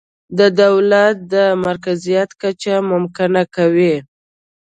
د دولت د مرکزیت کچه ممکنه کوي.